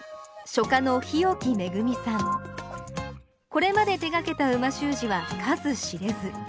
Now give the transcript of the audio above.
これまで手がけた美味しゅう字は数知れず。